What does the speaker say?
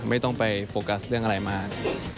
ไม่ต้องไปโฟกัสเรื่องอะไรมาก